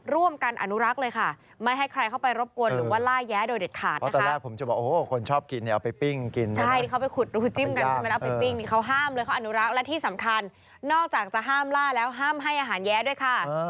ร่วมกันอนุรักษ์เลยค่ะ